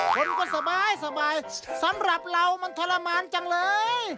คนก็สบายสำหรับเรามันทรมานจังเลย